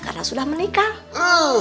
karena sudah menikah